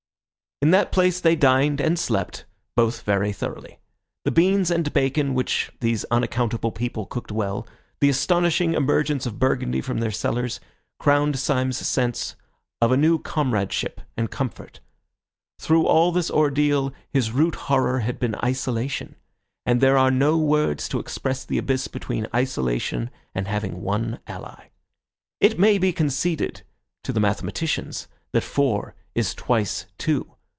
In that place they dined and slept, both very thoroughly. The beans and bacon, which these unaccountable people cooked well, the astonishing emergence of Burgundy from their cellars, crowned Syme's sense of a new comradeship and comfort. Through all this ordeal his root horror had been isolation, and there are no words to express the abyss between isolation and having one ally. It may be conceded to the mathematicians that four is twice two.